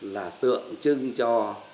là tượng trưng cho